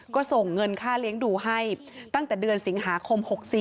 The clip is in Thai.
ก็ส่งเงินค่าเลี้ยงดูให้ตั้งแต่เดือนสิงหาคม๖๔